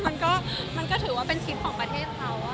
มันก็มันก็ถือว่าเป็นทริปของประเทศเขา